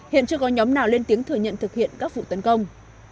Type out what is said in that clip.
hiện chưa có nhóm nào lên tiếng thừa nhận thực hiện các vụ tấn công